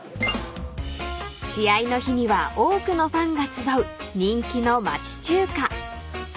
［試合の日には多くのファンが集う人気の町中華］